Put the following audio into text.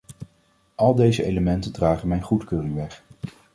Al deze elementen dragen mijn goedkeuring weg.